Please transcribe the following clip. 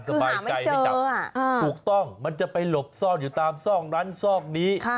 สบายใจให้จับถูกต้องมันจะไปหลบซ่อนอยู่ตามซอกนั้นซอกนี้